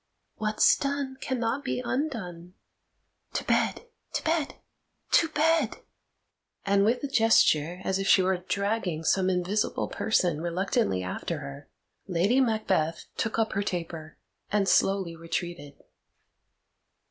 What's done cannot be undone. To bed, to bed, to bed!" And, with a gesture as if she were dragging some invisible person reluctantly after her, Lady Macbeth took up her taper and slowly retreated.